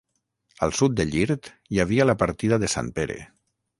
Al sud de Llirt hi havia la partida de Sant Pere.